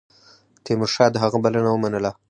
تیمورشاه د هغه بلنه ومنله.